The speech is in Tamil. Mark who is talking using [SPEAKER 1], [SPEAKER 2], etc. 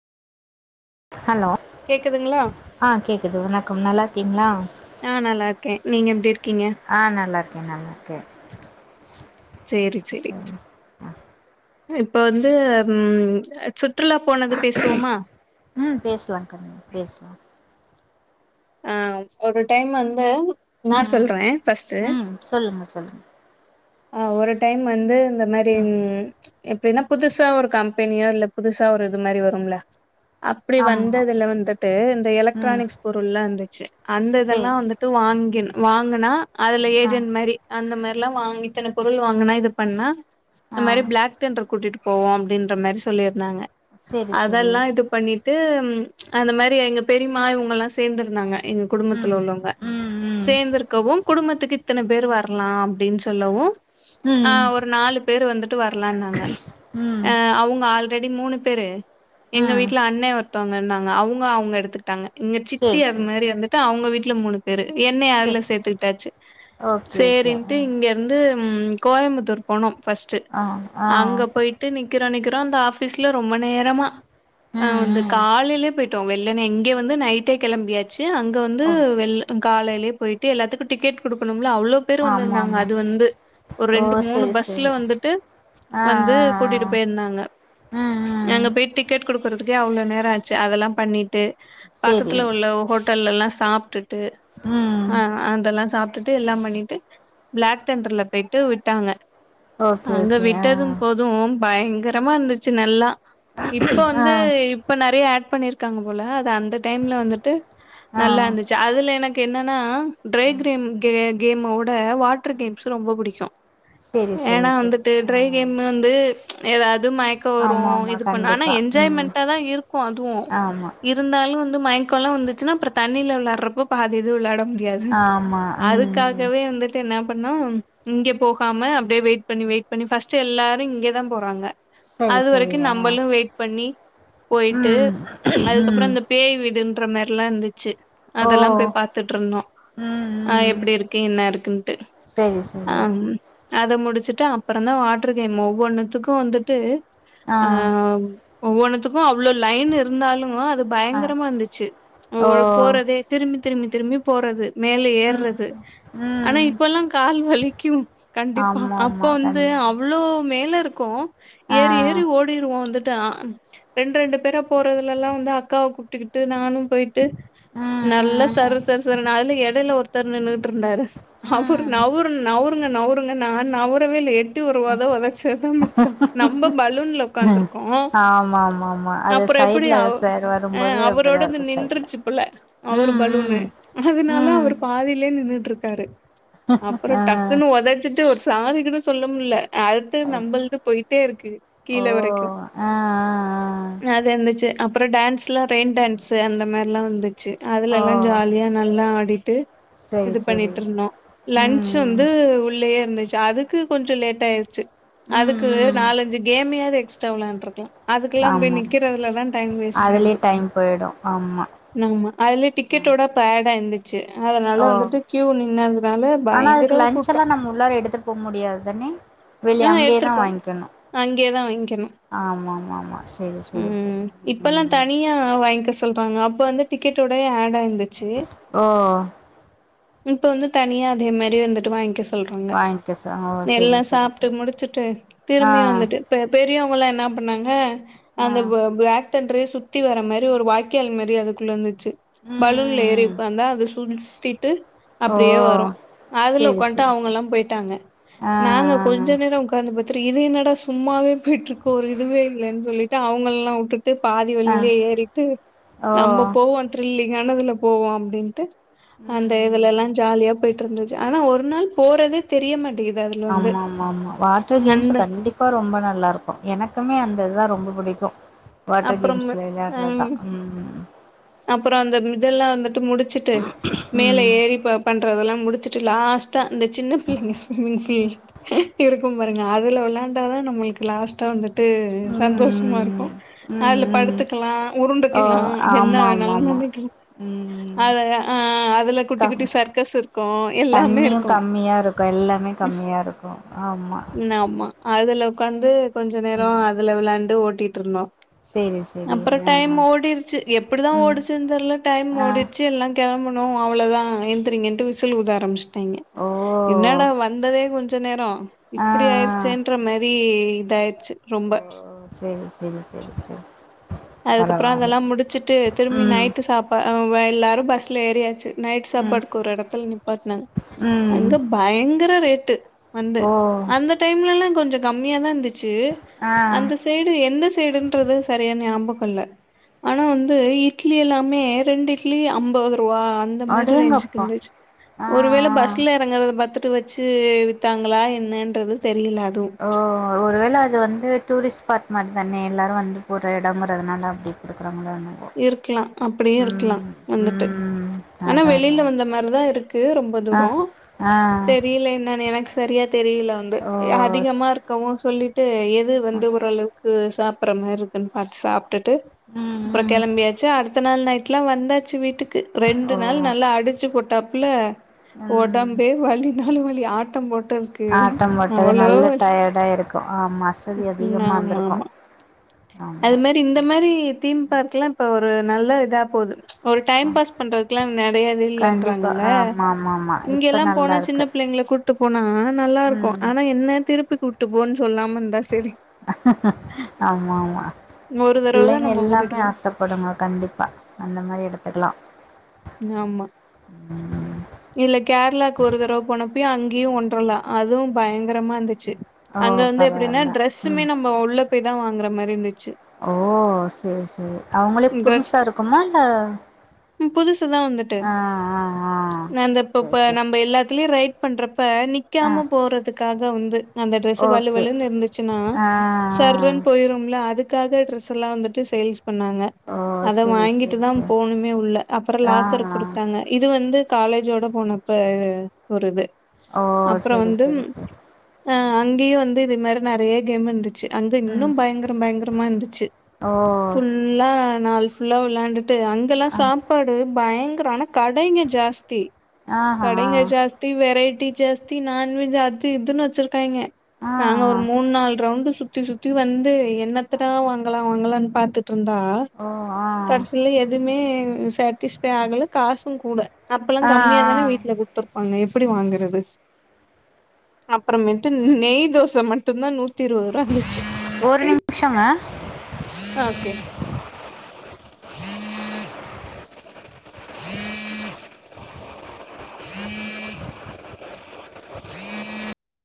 [SPEAKER 1] ஹலோ
[SPEAKER 2] கேக்குதுங்களா
[SPEAKER 1] ஆ கேக்குது வணக்கம் நல்லா இருக்கீங்களா
[SPEAKER 2] ஆ நல்லாருக்கே நீங்க எப்டி இருக்கீங்க
[SPEAKER 1] ஆ நல்லா இருக்கேன் நல்லா இருக்கேன்
[SPEAKER 2] செரி செரி
[SPEAKER 1] சரி
[SPEAKER 2] இப்ப வந்து ம் அ சுற்றுலா போனது பேசுவோம்மா
[SPEAKER 1] ம் பேஸ்லா கா பேஸ்லா
[SPEAKER 2] ஆ ஒரு டைம் வந்து நா
[SPEAKER 1] ம்
[SPEAKER 2] சொல்றே ஃபர்ஸ்ட்டு
[SPEAKER 1] ம் சொல்லுங்க சொல்லுங்க
[SPEAKER 2] அ ஒரு டைம் வந்து இந்த மாதிரி ம் எப்டின்னா புதுசா ஒரு கம்பெனியோ இல்ல புதுசா ஒரு இது மாதிரி வரும்ல அப்டி
[SPEAKER 1] ஆமா
[SPEAKER 2] வந்ததுல வந்துட்டு இந்த
[SPEAKER 1] ம்
[SPEAKER 2] எலக்ட்ரானிக்ஸ் பொருள்ல்லா இருந்துச்சு அந்த
[SPEAKER 1] சரி
[SPEAKER 2] இதெல்லா
[SPEAKER 1] சரி
[SPEAKER 2] வந்துட் இது வாங்கின் வாங்குனா அதுல
[SPEAKER 1] ஆ
[SPEAKER 2] ஏஜென்ட் மாதிரி அந்த மாதிரில்லா வாங்கி இத்தன பொருள் வாங்கனா இது பண்ணா இந்த
[SPEAKER 1] ஆ
[SPEAKER 2] மாதிரி பிளாக் தண்டர் கூட்டிட்டு போவோம் அப்டின்ற மாதிரி சொல்லிருந்தாங்க
[SPEAKER 1] சரி சரி
[SPEAKER 2] அதல்லாம் இது பண்ணிட்டு அந்த மாரி எங்க பெரியமா இவங்க எல்லாம் சேர்ந்துருந்தாங்க எங்க
[SPEAKER 1] ம்
[SPEAKER 2] குடும்பத்துல உள்ளவங்க
[SPEAKER 1] ம் ம்
[SPEAKER 2] சேர்ந்துருக்கவும் குடும்பத்துக்கு இத்தன பேர் வரலாம் அப்டின்னு சொல்லவும் ஆ
[SPEAKER 1] ம்
[SPEAKER 2] ஒரு நாலு பேரு வந்துட்டு வரலாம்னாங்க
[SPEAKER 1] ம்
[SPEAKER 2] அ அவங்க ஆல்ரெடி மூணு பேரு எங்க
[SPEAKER 1] ம்
[SPEAKER 2] வீட்ல அண்ண ஒருத்தவங்க இருந்தாங்க அவங்க அவங்க எடுத்துக்கிட்டாங்க இங்க த்தி
[SPEAKER 1] சரி
[SPEAKER 2] அது
[SPEAKER 1] சரி
[SPEAKER 2] மாரி வந்துட்டு அவங்க வீட்ல மூணு பேரு என்னய
[SPEAKER 1] சரி
[SPEAKER 2] அதுல சேத்துக்கிட்டாச்சு
[SPEAKER 1] ஓகே ஓகே
[SPEAKER 2] சரின்னுட்டு இங்க வந்து கோயம்புத்தூர் போனோ பர்ஸ்ட்
[SPEAKER 1] ஆ ஆ
[SPEAKER 2] அங்க போயிட்டு நிக்றோ நிக்றோ அந்த ஆபிஸ்ல ரொம்ப நேரமா
[SPEAKER 1] ம் ம்
[SPEAKER 2] காலேலயே போய் வெள்ளன எங்க வந்து நைட்டே களம்பியாச்சு அங்க வந்து
[SPEAKER 1] ஓ
[SPEAKER 2] வெ காலைலயே போயிட்டு எல்லாத்துக்கும் டிக்கெட் குடுக்கணும்ல அவ்ளோ பேர்
[SPEAKER 1] ஆமா
[SPEAKER 2] வந்துந்தாங்க
[SPEAKER 1] ஆமா
[SPEAKER 2] அது வந்து ஒரு
[SPEAKER 1] ஓ
[SPEAKER 2] ரெண்டு மூணு
[SPEAKER 1] சரி
[SPEAKER 2] பஸ்ல
[SPEAKER 1] சரி
[SPEAKER 2] வந்துட்டு
[SPEAKER 1] ஆ
[SPEAKER 2] வந்து
[SPEAKER 1] ஆ
[SPEAKER 2] கூட்டிட்டு போயிருந்தாங்க
[SPEAKER 1] ஆ ம் ம்
[SPEAKER 2] எங்க பேட்டி ட் குடுக்கறதுக்கே அவ்ள நேரம் ஆச்சு அதல்லாம் பண்ணிட்டு
[SPEAKER 1] சரி
[SPEAKER 2] பக்கத்துல உள்ள ஹோடல்லலா சாப்ட்டுட்டு
[SPEAKER 1] ம்
[SPEAKER 2] அ அதல்லாம் சாப்ப ட்டு எல்லா பண்ணிட்டு ப் ளாக் தண்டர்ல போயிட்டு விட்டாங்க
[SPEAKER 1] ஓகே
[SPEAKER 2] அங்க
[SPEAKER 1] ஓகே ஆ
[SPEAKER 2] விட்டதும் போதும் அதுவும் பயங்கரமா இருந்துச்சு நல்லா இப்ப
[SPEAKER 1] ஆ
[SPEAKER 2] வந்து இப்ப நறைய ஆட் பண்ணிருக்காங்க போல அது அந்த டைம்ல வந்துட்டு
[SPEAKER 1] ஆ
[SPEAKER 2] நல்லா இருந்துச்சு ச்ச அதுல எனக்கு என்னன்னா டரை
[SPEAKER 1] ம்
[SPEAKER 2] கிரேம் கேமோட வாட ரொ பக்கும்
[SPEAKER 1] செரி செரி
[SPEAKER 2] ஏன்னா
[SPEAKER 1] செரி
[SPEAKER 2] வந்துட்டு
[SPEAKER 1] ஆ
[SPEAKER 2] ட்ரை கேம் வந்துத
[SPEAKER 1] ஆமா
[SPEAKER 2] வரும்
[SPEAKER 1] ஆமா
[SPEAKER 2] இது பண்ண ஆனா
[SPEAKER 1] கண்டிப்பா ம்
[SPEAKER 2] என்ஜாய்மெண்டா தா இருக்கு அதுவு
[SPEAKER 1] ஆமா
[SPEAKER 2] இருந்தாலும் வந்து மைன்ட்குள்ள வந்துச்சுன்னா அப்ற தண்ணில விளாடுறப்ப பாதி இது விளாயாட முடியாது
[SPEAKER 1] ஆமா ம் ம்
[SPEAKER 2] அதுக்காகவே வந்து என்ன பண்ணா இங்கே போகாம அப்டியே வெயிட் பண்ணி வெயிட் பண்ணி ஃபர்ஸ்ட் எல்லாரு இங்கேதா போறாங்க
[SPEAKER 1] சரி
[SPEAKER 2] அது
[SPEAKER 1] சரி
[SPEAKER 2] வரைக்கு
[SPEAKER 1] ஆ
[SPEAKER 2] நம்மளும் வெயிட் பண்ணி போயிட்டு
[SPEAKER 1] ம்
[SPEAKER 2] அதுக்கப்றம்
[SPEAKER 1] ம்
[SPEAKER 2] இந்த பேய் வீடுன்ற மாரிலாம் இருந்துச்சு
[SPEAKER 1] ஓ
[SPEAKER 2] அதெல்லாம் போய் பார்த்துட்டு இருந்தோம்
[SPEAKER 1] ம்
[SPEAKER 2] ஆ
[SPEAKER 1] ம்
[SPEAKER 2] எப்டி இருக்கு என்ன இருக்குன்னட்டு
[SPEAKER 1] சரி சரி
[SPEAKER 2] அத முடிச்சுட்டு அப்றம்தா வாட்டரு கேம் ஒவ்வொன்னுத்துக்கும் வந்துட்டு
[SPEAKER 1] ஆ
[SPEAKER 2] ஒவ்வொனுத்துக்கும் அவ்ளோ லைன் இருந்தாலும் அது
[SPEAKER 1] ஆ
[SPEAKER 2] பயங்கரமா இருந்துச்சு
[SPEAKER 1] ஓ
[SPEAKER 2] ஒவ்வொ போறதே திரும்பி திரும்பி திரும்பி போறது மேல ஏர்றது
[SPEAKER 1] ம்
[SPEAKER 2] ஆனா
[SPEAKER 1] ம்
[SPEAKER 2] இப்பல்லாம் கால் வலிக்கும் கண்டிப்பா
[SPEAKER 1] ஆமா
[SPEAKER 2] அப்ப
[SPEAKER 1] ஆமா
[SPEAKER 2] வந்து
[SPEAKER 1] கண்டிப்பா
[SPEAKER 2] இவ்ளோ மேல இருக்கும்
[SPEAKER 1] ஆ
[SPEAKER 2] ஏறி ஏறி ஓ வோம் வந்துட்டு ரெண்டு ரெண்டு பேரா போறதுல எல்லாம் வந்து அக்காவ கூப்டுக்கிட்டு நானும் போயிட்டு வந்துட்டு நல்லா
[SPEAKER 1] ம் ம்
[SPEAKER 2] சர சர சர ந அதுல எடைல ஒருத்தர் நின்னுகிட்டு இருந்தாரு
[SPEAKER 1] ம்
[SPEAKER 2] அவரு
[SPEAKER 1] ம்
[SPEAKER 2] நவுரு நவுருங்க ந அவருங்க நான் நவுரவே எ ட்டி உருவாத உதச்சதான் மிச்சம் நம்ம பலூன்ல ஒக்காந்துருக்கோம்
[SPEAKER 1] ஆமாமாமா
[SPEAKER 2] அப்புறம் எப்டி அவ ஆ
[SPEAKER 1] அப்டிதா
[SPEAKER 2] அவரோடது
[SPEAKER 1] இருக்கு சைட்ல
[SPEAKER 2] நின்றுச்சு போல அவரு
[SPEAKER 1] ம்
[SPEAKER 2] பலூனு
[SPEAKER 1] ம்
[SPEAKER 2] அதுனால
[SPEAKER 1] ம்
[SPEAKER 2] அவர் பாதிலயே நின்னுட்ருக்காரு அப்ற
[SPEAKER 1] ஆ
[SPEAKER 2] டக்குன்னு ஒதச்சிட்டு ஒரு சாரிக்கூட சொல்லமுல்ல அழ்த்து நம்பள்து போயிட்டேருக்கு கீழ வரைக்கு
[SPEAKER 1] அ அ அ
[SPEAKER 2] லாதியாந்துச்சி அப்ரோ டான்ஸ்ல ரெயின் டான்ஸ்ஸு அந்த மார்ல்லா வந்துச் ச்சு
[SPEAKER 1] ஆ ஓ
[SPEAKER 2] அதுலல்லா ஜாலியா நல்லா ஆடிட்டு
[SPEAKER 1] செரி
[SPEAKER 2] இது
[SPEAKER 1] செரி
[SPEAKER 2] பண்ணிட்ருந்தோ
[SPEAKER 1] ம்
[SPEAKER 2] லன்ஞ்ச்
[SPEAKER 1] ம்
[SPEAKER 2] வந்து உள்ளயே இருந்துச்சா அதுக் க்கு கொஞ்சொ லேட்டாயிர்ச்சு
[SPEAKER 1] ம்
[SPEAKER 2] அதுக்கு
[SPEAKER 1] ம்
[SPEAKER 2] நாலஞ்சு கேமையாது எக்ஸ்ட்டா வெளையான்ட்ருக்கலா அதுக்லா
[SPEAKER 1] ஆமா
[SPEAKER 2] நிக்கிறதுலதா டைம்
[SPEAKER 1] அதுலயே
[SPEAKER 2] வேஸ்ட்டாகுது
[SPEAKER 1] டைம் போயிடு ஆமா
[SPEAKER 2] நாமா அதுலே டிக்கெட்டோடப் பேடா என்து ச்சி அதனால
[SPEAKER 1] ஓ
[SPEAKER 2] வந்துட்டு கியூ நின்னதுனால
[SPEAKER 1] ஆனா அதுக்கு
[SPEAKER 2] பயங்கர
[SPEAKER 1] லன்ச்
[SPEAKER 2] கூட்டோ
[SPEAKER 1] எல்லா நம்ம உள்ளார எடுத்துட்டு போ முடியாது தானே வெளிய
[SPEAKER 2] அ
[SPEAKER 1] அங்கேயே
[SPEAKER 2] எடுத்துட்டு போ [inaudible] அங்கேதா வாங்க்கர்ணு
[SPEAKER 1] ஆமாமாமா
[SPEAKER 2] ம் இப்பல்லா தனியா வாங்கிக்க சொல்றாங்க அப்ப வந்து டிக்கெட்டோடே ஆட் ஆயிருந்து
[SPEAKER 1] ஓ
[SPEAKER 2] இப்ப வந்து தனியா அதே மாரி வந்துட்டு வாங்கிக்க சொல்றாங்க
[SPEAKER 1] வாங்கிக்க சொ ஓ
[SPEAKER 2] எல்லா
[SPEAKER 1] செரி செரி
[SPEAKER 2] சாப்ட்டு
[SPEAKER 1] செரி
[SPEAKER 2] முடிச்சுட்டு
[SPEAKER 1] ஆ
[SPEAKER 2] திரும்பி வந்துட்டு பெ பெரியவங்கள்ளா என்னா பண்ணாங்க
[SPEAKER 1] ஆ
[SPEAKER 2] அந்த ப ப்ளாக் தன்ட்றயே சுத்தி வர மாரி ஒரு வாய்க்கால் மாரி அதுக்குள்ளந்துச்சு
[SPEAKER 1] ம் ம்
[SPEAKER 2] பலூன்ல ஏறி
[SPEAKER 1] ம்
[SPEAKER 2] வந்தா அது சுள்சுத்திட்டு
[SPEAKER 1] ஓ
[SPEAKER 2] அப்டியே வரு அதுல
[SPEAKER 1] சேரி
[SPEAKER 2] ஒக்கான்ட்டு
[SPEAKER 1] சேரி சேரி
[SPEAKER 2] அவுங்கல்லா போய்ட்டாங்க
[SPEAKER 1] ஆ
[SPEAKER 2] நாங்க கொஞ்ச நேரம் ஒக் காந்து பாத்துட்டு இது என்னடா சும்மாவே பேயிட்ருக்கோ ஒரு இதுவே இல்லன்ஞ் சொல்லிட்டு அவுங்கல்லா உட்டுட் ட்டு பாதி
[SPEAKER 1] ஆ ஆ
[SPEAKER 2] வழியிலே ஏறிட்டு
[SPEAKER 1] ஓ
[SPEAKER 2] நம்ம போவோ த்ரில்லிங்கானதுல போவோ அப்டின்ட்டு
[SPEAKER 1] ம்
[SPEAKER 2] அந்த இதுலல்லா
[SPEAKER 1] ம்
[SPEAKER 2] ஜாலியா போயிட்ருந்துச்சு ஆனா ஒரு நாள் போறதே தெரிய மாட்டேகுது அதுல வந்து
[SPEAKER 1] ஆமாஆமாஆமா வாட்டர் கேம்ஸ்
[SPEAKER 2] அந்த
[SPEAKER 1] கண்டிப் பா ரொம்ப நல்லாருக்கு எனக்குமே அந்ததுதா ரொம்ப புடிக்கு வாட்டர்
[SPEAKER 2] அப்புறம்
[SPEAKER 1] கேம்ஸ்ல வெளையாட்றத்தா ம் ம்
[SPEAKER 2] அப்பரோ அந்த இதல்லா வந்துட்டு முடிச்சுட்டு மேல
[SPEAKER 1] ம்
[SPEAKER 2] ஏறி ப பண்றதெல்லா முடிச்சுட் ட்டு லாஸ்டா அந்த சின்ன பிள்ளெங்க [unintelligible] இருக்கும்பாருங்க அதுல வெளாண்டாதா நம்முளுக்கு லாஸ்ட்டா வந்துட்டு சந்தோஷமாருக்கு
[SPEAKER 1] ம் ம்
[SPEAKER 2] அதுல
[SPEAKER 1] ம்
[SPEAKER 2] படுத்துக்லா
[SPEAKER 1] ஓ
[SPEAKER 2] உருண்டுக்லா என்ன
[SPEAKER 1] ஆமா ஆமா
[SPEAKER 2] வேணாலு
[SPEAKER 1] ஆமா
[SPEAKER 2] பண்ணிக்கலா
[SPEAKER 1] ம்
[SPEAKER 2] அத அ அதுல குட்டி
[SPEAKER 1] கம்
[SPEAKER 2] குட்டி சர்க்கஸ் இருக்கு எல்லாமே இருக்கு
[SPEAKER 1] இப்ப எல்லாமே கம்மியாருக்கு ஆமா
[SPEAKER 2] நாமா அதுல உக்காந்து கொஞ்ச நேரோ
[SPEAKER 1] ம்
[SPEAKER 2] அதுல வெளாண்டு ஓட்டிட்ருந்தோ
[SPEAKER 1] சேரி சேரி
[SPEAKER 2] அப்ரோ
[SPEAKER 1] ஆ
[SPEAKER 2] டைம்
[SPEAKER 1] ஆ
[SPEAKER 2] ஓடிரிச்சு எப்டிதா
[SPEAKER 1] ம்
[SPEAKER 2] ஓடுச்சுன் தெர்ல டைம்
[SPEAKER 1] ஆ
[SPEAKER 2] ஓடிட்ச்சு எல்லா கெளம்பணு அவ்ளதா எந்திரிங்கன்ட்டு விசில் ஊத ஆரம்பிச் ட்டாங்கெ
[SPEAKER 1] ஓ
[SPEAKER 2] என்னடா வந்ததே கொஞ்சோ நேரோ
[SPEAKER 1] ஆ
[SPEAKER 2] இப்டி
[SPEAKER 1] ஆ
[SPEAKER 2] ஆயிர்ச்சேன்ற மாரி இதாய்ர்ச்சி ரொம்ப
[SPEAKER 1] சேரி சேரி சேரி
[SPEAKER 2] அதுக்கப்பற அதல்லா முடிச்சுட்டு திரும்பி
[SPEAKER 1] ம்
[SPEAKER 2] நைட்டு சாப்பா எல்லாரு பஸ்ல ஏறியாச்சு நைட்
[SPEAKER 1] ம்
[SPEAKER 2] சாப்பாட்டுக்கு ஒரு எடத்துல நிப்பாட்னாங்க
[SPEAKER 1] ம்
[SPEAKER 2] அங்க பயங்கர ரேட்டு வந்து
[SPEAKER 1] ஓ
[SPEAKER 2] அந்த டைம்லல்லா கொஞ்ச கம்மியாதாந்துச்சு
[SPEAKER 1] ஆ
[SPEAKER 2] அந்த சைடு எந்த சைடுன்றது சரியா ஞாபக கல்ல ஆனா வந்து இட்லி எல்லாமே ரெண்டு இட்லி அம்பது ருவா அந்த மாரி ரேஞ்ச்சுக்கு
[SPEAKER 1] அடேங்கப்பா
[SPEAKER 2] இந்துச்சு
[SPEAKER 1] ஆ
[SPEAKER 2] ஒருவேள பஸ்ல எறங்கறத பாத்துட்டு வச் ச்சு வித்தாங்களா என்னன்றது தெரில அதுவு
[SPEAKER 1] அ ஒருவேள அது வந் து டூரிஸ்ட் ஸ்பாட் மார் தானே எல்லாரு வந்து போற எடங்கறதுனால அப்டி கொடுக்குறாங்களோ என்னவோ
[SPEAKER 2] இருக்லா அப்டியு இருக்லா
[SPEAKER 1] ம்
[SPEAKER 2] வந்துட்டு
[SPEAKER 1] ம்
[SPEAKER 2] ஆனா
[SPEAKER 1] அதா அதா
[SPEAKER 2] வெளில வந்த மாரிதா இருக்கு ரொம் ப
[SPEAKER 1] ஆ
[SPEAKER 2] தூரோ
[SPEAKER 1] ஆ
[SPEAKER 2] தெரில என்னன் எனக்கு சரியா தெரில வந்து
[SPEAKER 1] ஓ ஸ்
[SPEAKER 2] அதிகமாருக் கவு சொல்லிட்டு எது வந்து ஓரளவுக்கு சாப்பற மார் இருக்குன்னு பாத்து சாப்ட்டுட்டு
[SPEAKER 1] ம்
[SPEAKER 2] அப்ற
[SPEAKER 1] ம்
[SPEAKER 2] கெளம்பியாச்சு அடுத்த நாள் நைட்லா வந்தாச்சு வீட்டுக் கு ரெண்டு
[SPEAKER 1] ஓ
[SPEAKER 2] நாள் நல்லா அடிச்சு போட்டாப்புல
[SPEAKER 1] ம்
[SPEAKER 2] ஒடம்பே வலி னாலு வலி ஆட்டம் போட்டதுக்கு
[SPEAKER 1] ஆட்டம் போட்டது நல்ல டயர்டா இருக்கு ஆமா அசதி
[SPEAKER 2] ம்
[SPEAKER 1] அதிகமா
[SPEAKER 2] ஆமா
[SPEAKER 1] இருந்திருக்கு
[SPEAKER 2] ஆமா
[SPEAKER 1] ஆமா
[SPEAKER 2] அது மாரி இந்த மாரி தீம் பார்க்குல்லா இப்ப ஒரு நல்ல இதா போது ஒரு டைம்
[SPEAKER 1] ஆமா
[SPEAKER 2] பாஸ் பண்றதுக்குல்லா நெறைய இது
[SPEAKER 1] கண்டிப்பா
[SPEAKER 2] இல்லன்றாங்கல்ல
[SPEAKER 1] ஆமா ஆமா ஆமா இப்ப
[SPEAKER 2] இங்கெல்லா
[SPEAKER 1] நல்லா
[SPEAKER 2] போனா
[SPEAKER 1] இருக்கு
[SPEAKER 2] சின்ன பிள்ளைங்கள கூட் டு போனா நல்லாருக்கு
[SPEAKER 1] ம்
[SPEAKER 2] ஆனா என்ன திருப்பி கூட்டு போன்னு சொல்லாம இருந்தா சரி
[SPEAKER 1] ஆமா ஆமா
[SPEAKER 2] ஒரு தடவ தா
[SPEAKER 1] பிள்ளைங்க
[SPEAKER 2] நம்ம கூட்டிட்டு
[SPEAKER 1] எல்லாமே
[SPEAKER 2] போவோ
[SPEAKER 1] ஆசப் படுங்க கண்டிப்பா அந்த மாரி எடத்துக்லா
[SPEAKER 2] நாமா
[SPEAKER 1] ம்
[SPEAKER 2] இல்ல கேரளாக்கு ஒரு தடவ போனப்போயு அங்கேயு வொன்றல்லா அதுவு பயங்கரமா இருந்துச்சு
[SPEAKER 1] ஓ
[SPEAKER 2] அங்க வந்து எப்டின்னா
[SPEAKER 1] பரவால்ல
[SPEAKER 2] ட்ரெஸ்சுமே
[SPEAKER 1] ம்
[SPEAKER 2] நம்ம உள்ள போய்தா வாங்கற மாரி இருந்துச்சு
[SPEAKER 1] ஓ சரி சரி அவங்களே
[SPEAKER 2] ட்ரெஸ்
[SPEAKER 1] புதுசா இருக்குமா இல்ல
[SPEAKER 2] புதுசுதா வந்துட்டு
[SPEAKER 1] ஆ ஆ ஆ
[SPEAKER 2] நந்த
[SPEAKER 1] ஓகே
[SPEAKER 2] இப்பப்ப
[SPEAKER 1] ஓகே
[SPEAKER 2] நம்ப எல்லாத்திலயு ரைட் பண்றப்ப நி
[SPEAKER 1] ஆ
[SPEAKER 2] க்காம போறதுக்காக வந்து அந்த ட்ரெஸ்சு
[SPEAKER 1] ஓகே
[SPEAKER 2] வலுவலுன்னு இருந்துச்சுன்னா
[SPEAKER 1] ஆ
[SPEAKER 2] சர்றுன்னு
[SPEAKER 1] ஆ
[SPEAKER 2] போயிரும்ல அதுக் காக டிரெஸ் எல்லா வந்துட்டு சேல்ஸ் பண்ணாங்க
[SPEAKER 1] ஓ
[SPEAKER 2] அத
[SPEAKER 1] சேரி சேரி
[SPEAKER 2] வாங்கிட்டுதா
[SPEAKER 1] சேரி
[SPEAKER 2] போணுமே உள்ள அப்பறோ
[SPEAKER 1] ஆ
[SPEAKER 2] லாக்கர்
[SPEAKER 1] ஆ
[SPEAKER 2] குடுத்தாங்க இது வந்து காலேஜோட போனப்ப ஒரு இது
[SPEAKER 1] ஓ
[SPEAKER 2] அப்பறோ
[SPEAKER 1] செரி
[SPEAKER 2] வந்து
[SPEAKER 1] செரி செரி
[SPEAKER 2] அ அங்கேயு வந்து இது மாரி நெறைய கேம் இருந்துச்சு அங்க இன்னு
[SPEAKER 1] ம்
[SPEAKER 2] பயங்கரம் பயங்கரமா இருந்துச்சு
[SPEAKER 1] ஓ
[SPEAKER 2] ஃபுல் ல்லா நாள் ஃபுல்லா விளாண்டுட்டு அங்கெல்லா
[SPEAKER 1] ஆ
[SPEAKER 2] சாப் பாடு பயங்கரொ ஆனா கடைங்க ஜாஸ்தி
[SPEAKER 1] ஆஹா
[SPEAKER 2] கடைங்க ஜாஸ் தி வெரைட்டி ஜாஸ்தி நான் வெஜ் அது இதுன்னு வச்சிருக்காங்கே
[SPEAKER 1] ஆ
[SPEAKER 2] நாங்க ஒரு மூணு நால் ரவுண்டு சுத்தி சுத்தி வந்து என்னத்தட்டா வாங்கலா வாங்கலானு பாத்துட்டுருந்தா
[SPEAKER 1] ஓ ஆ
[SPEAKER 2] கடசிலே எதுவுமே சேட்டிஸ்ஃபை ஆகல காசுங் கூட அப்பல்லா
[SPEAKER 1] ஆ ஆ
[SPEAKER 2] கம்மியா தானே வீட்டுல குடு த்துருப்பாங்க எப்டி வாங்குறது அப்புறமேட்டு நெய் தோச மட்டுந்தா நூத் தி இருவோரூவா இருந்துச்சு
[SPEAKER 1] ஒரு நிமிஷங்க
[SPEAKER 2] ஆ ஓகே
[SPEAKER 1] உம் [unintelligible]